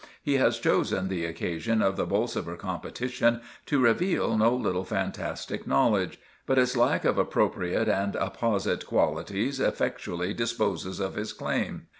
He has chosen the occasion of the 'Bolsover' competition to reveal no little fantastic knowledge; but its lack of appropriate and apposite qualities effectually disposes of his claim.